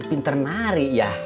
pinter nari ya